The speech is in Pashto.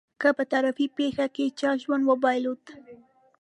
که په ترافيکي پېښه کې چا ژوند وبایلود.